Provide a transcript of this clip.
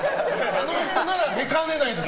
あの人なら出かねない！